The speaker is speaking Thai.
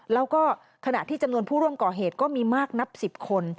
แล้วก็ขณะที่จำนวนผู้ร่วมก่อเหตุก็มีมากนับ๑๐คน